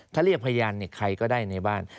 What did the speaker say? ถ้าเรียกพยานใครก็ได้ในบ้าน